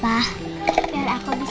biar aku bisa ajak main boneka